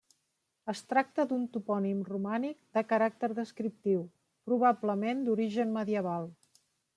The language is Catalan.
Es tracta d'un topònim romànic de caràcter descriptiu, probablement d'origen medieval.